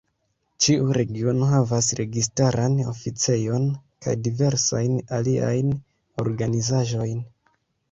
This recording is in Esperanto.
Ĉiu regiono havas registaran oficejon kaj diversajn aliajn organizaĵojn.